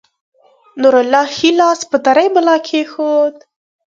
نورالله ښے لاس پۀ نرۍ ملا کېښود